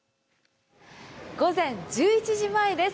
午前１１時前です。